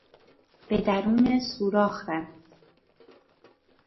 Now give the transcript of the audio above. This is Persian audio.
به درون سوراخ رفت.